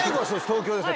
東京です